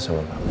ya udah keluar